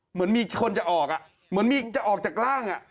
เหมือนมีคนจะออกอ่ะเหมือนจะออกจากร่างอ่ะ